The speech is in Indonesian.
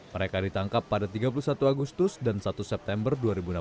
mereka ditangkap pada tiga puluh satu agustus dan satu september dua ribu enam belas